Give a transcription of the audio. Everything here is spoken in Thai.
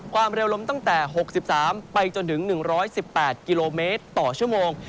ความเร็วลมตั้งแต่๖๓ไปจนถึง๑๑๘กิโลเมตรต่อชั่วโมง